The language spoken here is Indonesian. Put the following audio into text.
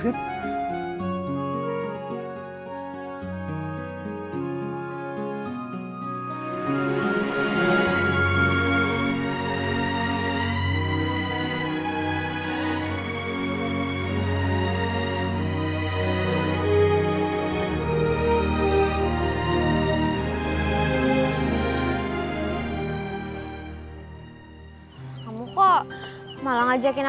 biar kayak orang pacaran